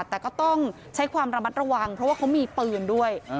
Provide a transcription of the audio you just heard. แต่ก็ต้องใช้ความระมัดระวังเพราะว่าเขามีปืนด้วย